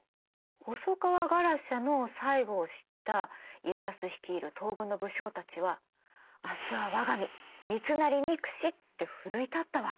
細川ガラシャの最期を知った家康率いる東軍の武将たちは「明日は我が身三成憎し」って奮い立ったわけ。